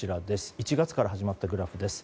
１月から始まったグラフです。